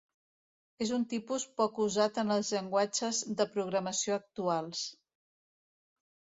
És un tipus poc usat en els llenguatges de programació actuals.